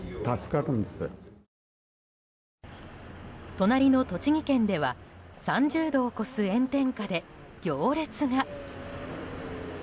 隣の栃木県では３０度を超す炎天下で行列が。